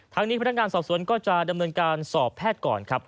ทางนี้พนักงานสอบสวนก็จะดำเนินการสอบแพทย์ก่อนครับ